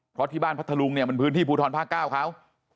เพราะที่บ้านพัทธลุงเนี่ยมันพื้นที่ภูทรภาค๙เขา